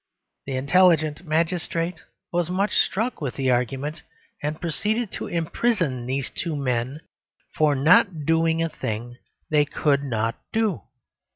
The intelligent magistrate was much struck with the argument: and proceeded to imprison these two men for not doing a thing they could not do.